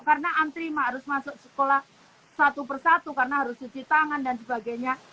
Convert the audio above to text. karena antri harus masuk sekolah satu persatu karena harus cuci tangan dan sebagainya